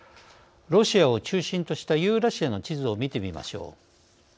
ロシアを中心としたユーラシアの地図を見てみましょう。